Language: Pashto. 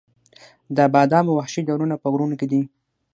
د بادامو وحشي ډولونه په غرونو کې دي؟